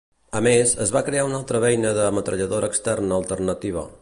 A més, es va crear una altra beina de metralladora externa alternativa.